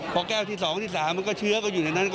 พอแก้วที่๒ที่๓มันก็เชื้อก็อยู่ในนั้น